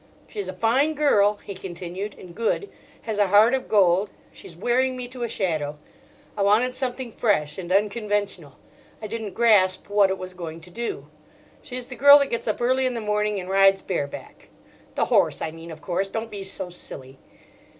"She's a fine girl," he continued, "and good. Has a heart of gold. She's wearing me to a shadow. I wanted something fresh and unconventional. I didn't grasp what it was going to do. She's the girl that gets up early in the morning and rides bare back—the horse, I mean, of course; don't be so silly.